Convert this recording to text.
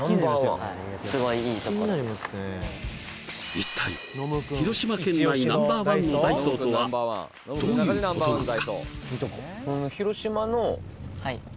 一体広島県内ナンバーワンのダイソーとはどういうことなのか？